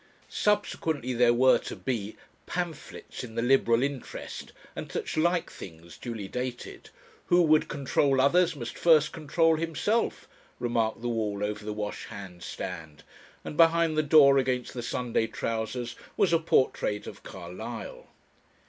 Subsequently there were to be "pamphlets in the Liberal interest," and such like things duly dated. "Who would control others must first control himself," remarked the wall over the wash hand stand, and behind the door against the Sunday trousers was a portrait of Carlyle.